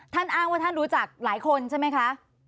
อ้างว่าท่านรู้จักหลายคนใช่ไหมคะ